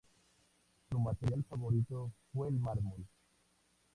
Su material favorito fue el mármol.